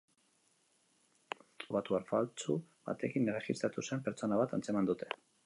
Pasaporte diplomatiko estatubatuar faltsu batekin erregistratu zen pertsona bat antzeman dute.